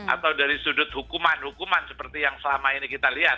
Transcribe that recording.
atau dari sudut hukuman hukuman seperti yang selama ini kita lihat